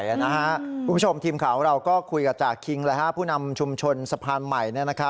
คุณผู้ชมทีมข่าวของเราก็คุยกับจากคิงผู้นำชุมชนสะพานใหม่